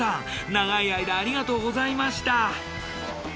長い間ありがとうございました。